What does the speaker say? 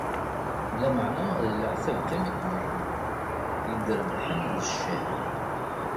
Lameɛna, d leɛtab kan akked lḥif i d-rebbḥen d ccan.